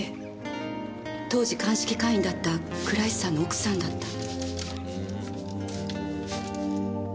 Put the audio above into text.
当時鑑識課員だった倉石さんの奥さんだった。